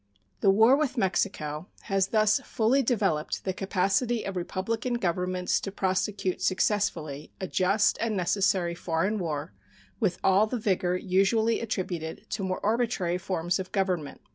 The war with Mexico has thus fully developed the capacity of republican governments to prosecute successfully a just and necessary foreign war with all the vigor usually attributed to more arbitrary forms of government.